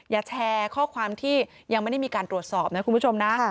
แชร์ข้อความที่ยังไม่ได้มีการตรวจสอบนะคุณผู้ชมนะ